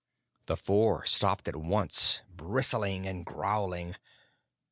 The Four stopped at once, bristling and growling.